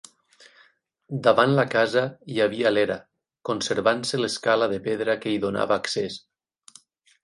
Davant la casa hi havia l'era, conservant-se l'escala de pedra que hi donava accés.